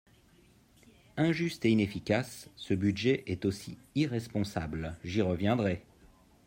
Injuste et inefficace, ce budget est aussi irresponsable, j’y reviendrai.